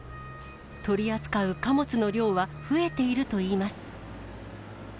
取り扱う貨物の量は増えているといいます。